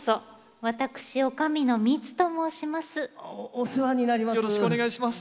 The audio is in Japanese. お世話になります。